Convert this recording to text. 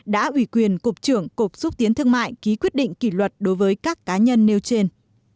đã ủy quyền cục trưởng cục xúc tiến thương mại ký quyết định kỷ luật đối với các cá nhân nêu trên